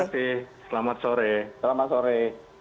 terima kasih selamat sore